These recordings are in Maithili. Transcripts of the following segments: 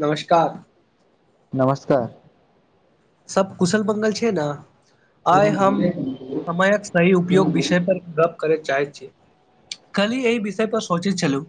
नमस्कार नमस्कार सब कुशल मंगल छै न जब आइ हम बोले हमको समयक सही जो हम उपयोग बोले विषय पर गप करय चाहैत छी कलहि एहि विषयपर सोचैत छलहुँ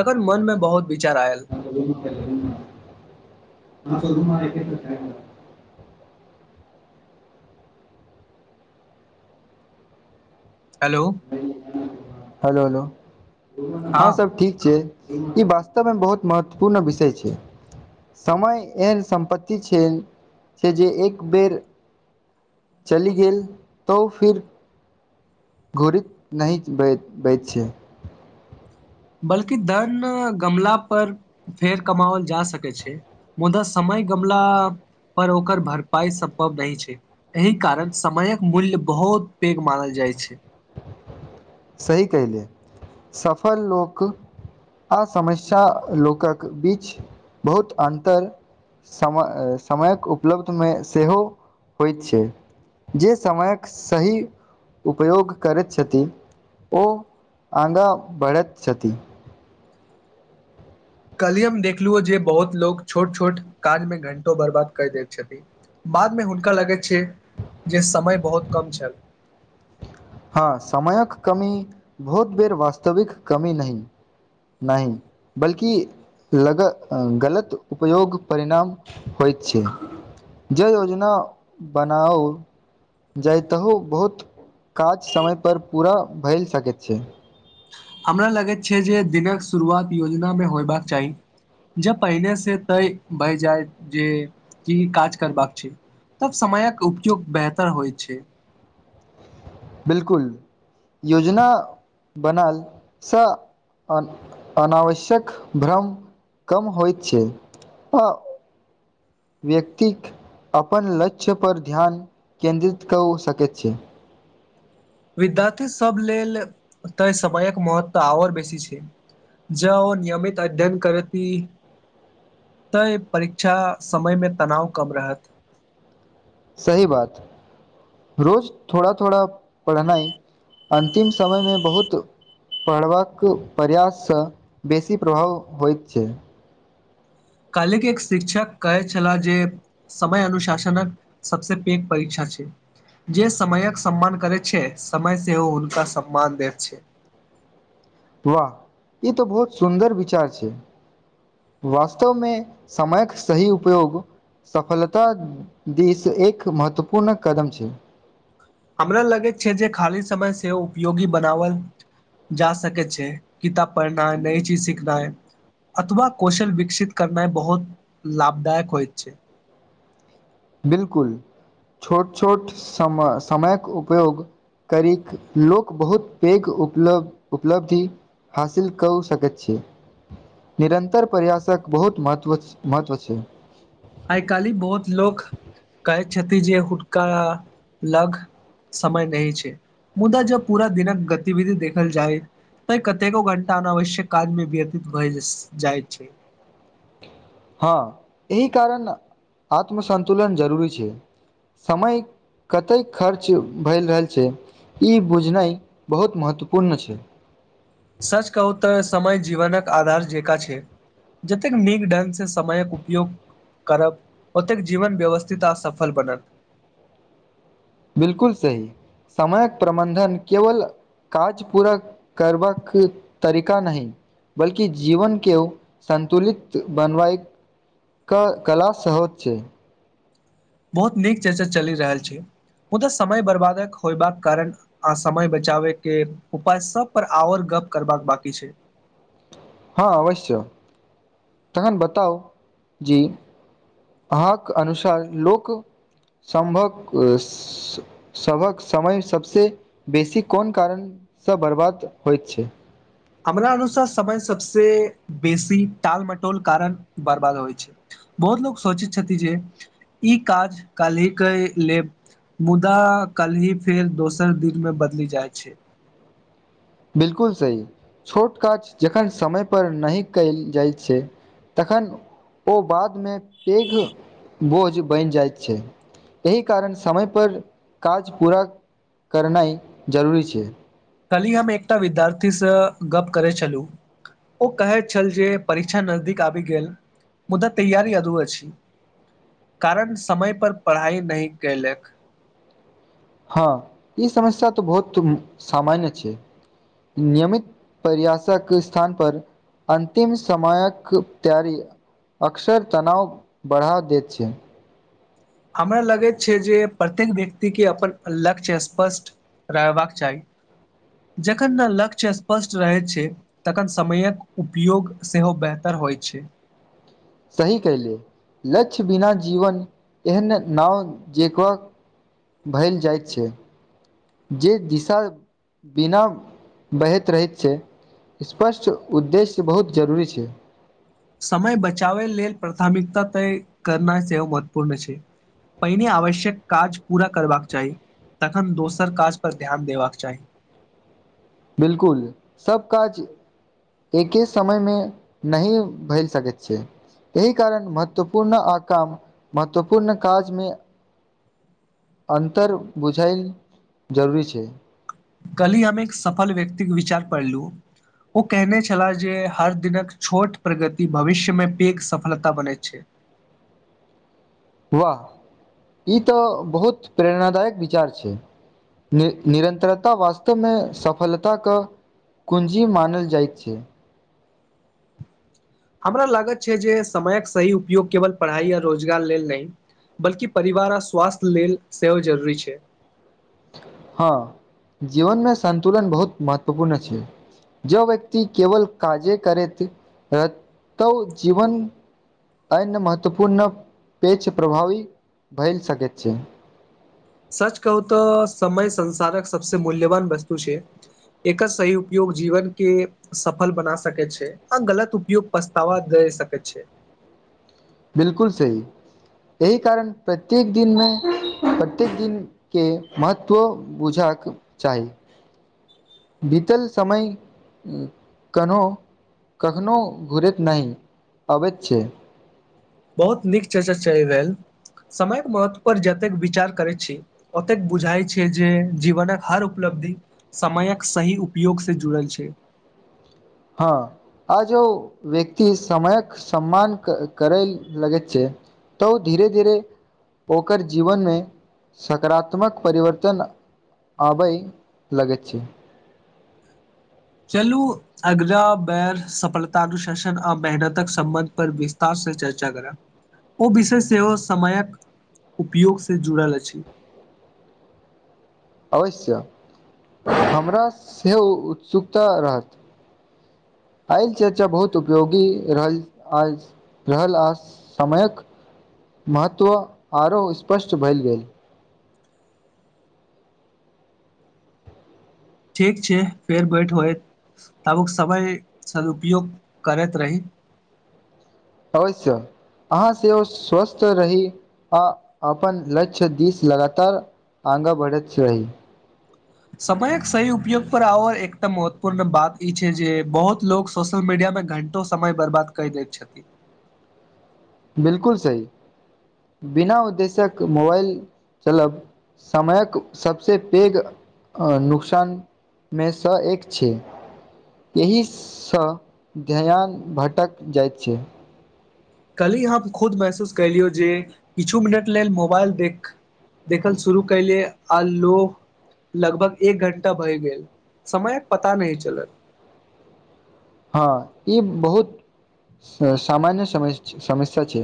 तखन मनमे बहुत विचार आयल [unintelligible] हेलो हेलो हेलो हँ हँं सब ठीक छै ई वास्तवमे बहुत महत्वपूर्ण विषय छै समय एहन सम्पत्ति छै से जे एक बेर चलि गेल त उ फेर घुरित नहि बैत बैत छै बल्कि धन गमला पर फेर कमावल जा सकैत छै मुदा समय गमला पर ओकर भरपाई सम्भव नहि छै एहि कारण समयक मूल्य बहुत पैघ मानल जाय छै सही कहलियै सफल लोक आ समस्या लोकक बीच बहुत अन्तर समय समयक उपलब्धिमे सेहो होइत छै जे समयक सही उपयोग करैत छथिन ओ आगाँ बढ़ैत छथि कल्हि हम देखलु जे बहुत लोक छोट छोट काजमे घंटों बर्बाद कै दैत छथिन बादमे हुनका लगैत छै जे समय बहुत कम छल हँ समयक कमी बहुत बेर वास्तविक कमी नहि नहि बल्कि लग गलत उपयोग परिणाम होइत छै जै योजना बनाओ जाय तहु बहुत काज समय पर पूरा भएल सकैत छै हमरा लगैत छै जे दिनक शुरुआत योजनामे होयबाक चाही जब पहिने से तय भै जायत जे कि काज करबाक छै तब समयक उपयोग बेहतर होइ छै बिल्कुल योजना बनल सँ अन अनावश्यक भ्रम कम होइत छै आ व्यक्तिक अपन लक्ष्य पर ध्यान केन्द्रित कौऽ सकैत छै विद्यार्थी सभ लेल तऽ समयक महत्व आओर बेसी छै ज ओ नियमित अध्ययन करती तै परीक्षा समयमे तनाव कम रहत सही बात रोज थोड़ा थोड़ा पढ़नाइ अन्तिम समय मे बहुत पढ़बाक प्रयाससँ बेसी प्रभाव होइत छै काल्हिके एक शिक्षक कहै छलाह जे समय अनुशासनक सबसे पैघ परीक्षा छै जे समयक सम्मान करै छै समय सेहो हुनका सम्मान देैत छै [inaudible] [unintelligible] वाह ई त बहुत सुन्दर विचार छै वास्तवमे समयक सही उपयोग सफलता दिश एक महत्वपूर्ण कदम छै हमरा लगैत छै, जे खाली समय सेहो उपयोगी बनावल जा सकैत छै, किताब पढ़नाइ नई चीज सिखनाइ अथवा कौशल विकसित करनाइ बहुत लाभदायक होइत छै, बिलकुल छोट छोट सम समयक उपयोग करीक लोक बहुत पेघ उपलब उपलब्धी हासिल कौ‌औ सकैत छै। निरन्तर प्रयासक बहुत महत्व महत्व छै। आइ काल्हि बहुत लोक कहैत छथि जे हुनका लग समय नहि छै। मुदा जब पूरा दिनक गतिविधि देखल जाइ त कतेको घंटा अनावश्यक काजमे व्यतीत भए जाइ छै। हँ, एहि कारण आत्मसन्तुलन जरूरी छै समय कतेक खर्च भएल रहल छै ई बुझनाइ बहुत महत्वपूर्ण छै। सच कहू तऽ समय जीवनक आधार जेका छै। जतेक नीक ढंगसँ समयक उपयोग करब ओतेक जीवन व्यवस्थित आ सफल बनत बिलकुल सही समयक प्रबन्धन केवल काज पूरा करबाक तरीका नहि बल्कि जीवन के ओ संतुलित बनबए क कला सेहो छै। बहुत नीक चचा चलि रहल छै। मुदा समय बर्बादक होयबाक कारण आ समय बचाबैके उपाय सभ पर आओर ग गप करबाक बाकी छै। हँ, अवश्य तखन बताउ जी अहाँक अनुसार लोक संभक स सभक समय सभसे बेसी कौन कारण सँ बर्बाद होइत छै, हमरा अनुसार समय सबसे बेसी टाल मटोल कारण बर्बाद होइ छै। बहुत लोक सोचैत छथि जे ई काज काल्हि कय लेब मुदा काल्हि फेर दोसर दिन में बदलि जाइ छै। बिलकुल सही छोट काज जखन समयपर नहि कैल जाइत छै। तखन ओ बादमें पैघ बोझ बनि जाइत छै, एहि कारण समय पर काज पूरा करनाइ जरूरी छै, कलहि हम एकटा विद्यार्थीसँ गप करै छलूँ ओ कहैत छल जे परीक्षा नजदीक आबि गेल मुदा तैयारी अदौ अछी कारण समय पर पढ़ाई नहि कैलक हँ, ई समस्या तऽ बहुत तुम सामान्य छै। नियमित प्रयासक स्थान पर अन्तिम समयक त्यारी अक्सर तनाव बढ़ा दैत छै, हमरा लगैत छे, जे प्रत्येक व्यक्ति के अपन लक्ष्य स्पष्ट रहबाक चाही जखन न लक्ष्य स्पष्ट रहैत छै। तखन समयक उपयोग सेहो बेहतर होय छै। सही कहिलिये लक्ष्य बिना जीवन एहन नाव जेक भैल जाइत छै। जे दिशा बिना बहैत रहैत छै। स्पष्ट उद्देश्य बहुत जरूरी छै, समय बचावै लेल प्राथमिकता तय करना सेहो महत्वपूर्ण छै। पहिने आवश्यक काज पूरा करबाक चाही तखन दोसर काज पर ध्यान देबाक चाही बिलकुल सब काज एके समयमे नहि भैर सकैत छै एहि कारण महत्वपूर्ण आ काम महत्वपूर्ण काजमे अंतर बुझायल जरूरी छै कल्हि हम एक सफल व्यक्ति के विचार पढ़लूँ ओ कहने छलाह जे हर दिनक छोट प्रगति भविष्यमे पैघ सफलता बनैत छै [inaudible] वाह ई तऽ बहुत प्रेरणादायक विचार छै नि निरन्तरता वास्तवमे सफलताक कुंजी मानल जाइत छै हमरा लागैत छै बल्कि परिवार आ स्वास्थ्य लेल सेहो जरूरी छै हँ जीवनमे संन्तुलन बहुत महत्वपूर्ण छै जो व्यक्ति केवल काजे करैत रहत तऽ जीवन अन्य महत्वपूर्ण पेच प्रभावी भइल सकैत छै सच कहू तऽ समय संसारक सबसँ मूल्यवान वस्तु छै एकर सही उपयोग जीवन के सफल बना सकय छै आ गलत उपयोग पछतावा दय सकैत छै [inaudible] बिलकुल सही यहि कारण प्रत्येक दिनमे प्रत्येक दिन के महत्व बुझा तक चाही [inaudible] बीतल समय कनो कखनहु घुरैत नहि अबैत छै बहुत नीक चर्चा चलि गेल समयके महत्व पर जतेक विचार करैत छी ओतेक बुझाइ छियै जे जीवनक हर उपलब्धि धि समयक सही उपयोग से जुड़ल छै हँ आ जो व्यक्ति समयक सम्मान करै लगैत छै तऽ ओ धीरे धीरे ओकर जीवनमे सकारात्मक परिवर्तन आबय लगैत छै चलू अगला बेर सफलतानुशासन आ मेहनतक संबन्ध पर विस्तार चर्चा करब ओ विषय सेहो समयक उपयोग से जुड़ल अछि [inaudible] अवश्य हमरा सेहो उत्सुकता रहत आइल चर्चा बहुत उपयोगी रहल आइल रहल आ समयक महत्व आरो स्पष्ट भेल गेल ठीक छै फेर बैठ होयत आजुक समय सदुपयोग करैत रही अवश्य अहाँ सेहो स्वस्थ रही आ अपन लक्ष्य दिस लगातार अगाँ बढ़ैत रहि समयक सही उपयोग पर आओर एकटा महत्वपूर्ण बात ई छै जे बहुत लोक सोशल मीडिया मे घंटो समय बर्बाद कै दैत छथि बिलकुल सही बिना उद्देश्यक मोबाइल चलब समयक सबसँ पैघ नुकसान मे सँ एक छै एहिसँ ध्यान भटक जाइत छै कल्हि हम खुद महसूस केलियौ जे किछु मिनट लेल मोबाइल देख देखल शुरू कैले आ लो लगभग एक घण्टा भए गेल समयक पता नहि चलल हँ ई बहुत सामान्य समस्या छै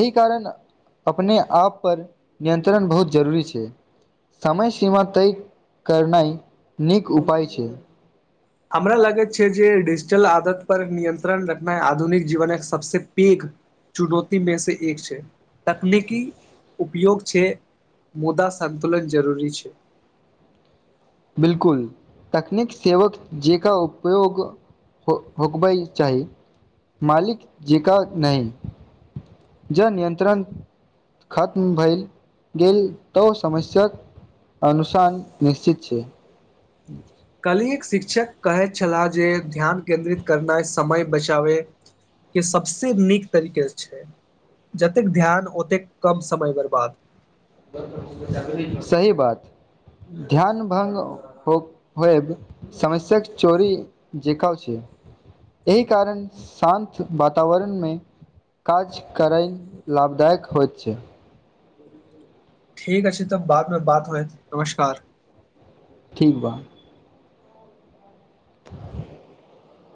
एहि कारण अपने आप पर नियंत्रण बहुत जरूरी छै समय सीमा तय करनाइ नीक उपाय छै हमरा लागैत छै जे डिजिटल आदत पर नियंत्रण रखनाइ आधुनिक जीवनक सबसे पैघ चुनौती मे से एक छै तकनीकी उपयोग छै मुदा संतुलन जरूरी छै बिलकुल तकनीक सेहोक जे का उपयोग होकबई चाही मालिक जेका नहि ज नियंत्रण खत्म भैल गेल तऽ समस्याक अनुसार निश्चित छै कल्हि एक शिक्षक कहैत छलाह जे ध्यान केन्द्रित करनाइ समय बचाबै के सबसँ नीक तरीके छै जतेक ध्यान ओतेक कम समय बरबाद सही बात ध्यान भंग होएब समस्यक चोरी जेकाउ छै एहि कारण शान्त वातावरणमे काज करै लाभदायक होइत छै ठीक अछि तब बादमे बात होएत नमस्कार ठीक बा